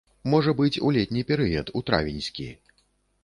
Можа быць, у летні перыяд, у травеньскі.